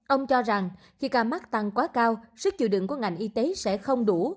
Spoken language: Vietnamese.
ông cho rằng khi ca mắc tăng quá cao sức chịu đựng của ngành y tế sẽ không đủ